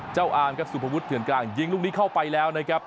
อามครับสุภวุฒิเถื่อนกลางยิงลูกนี้เข้าไปแล้วนะครับ